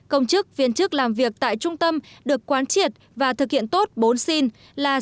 công chức viên chức làm việc tại trung tâm được quán triệt và thực hiện tốt bốn xin là